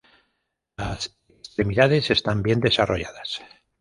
Las extremidades están bien desarrolladas.